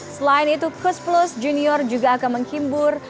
selain itu kus plus junior juga akan menghibur